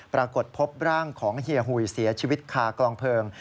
ปรากฏพบร่างของเฮียหุยเสียชีวิตคากลองเพลิง